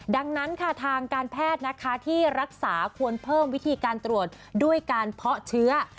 ดังนั้นค่ะทางการแพทย์นะคะที่รักษาควรเพิ่มวิธีการตรวจด้วยการเพาะเชื้อ